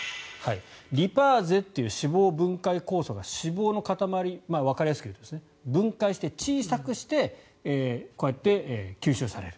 リパーゼという脂肪分解酵素が脂肪の塊わかりやすく言うとですが分解して、小さくしてこうやって吸収される。